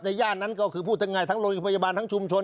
ย่านนั้นก็คือพูดง่ายทั้งโรงพยาบาลทั้งชุมชน